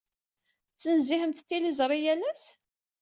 Tettnezzihemt tiliẓri yal ass?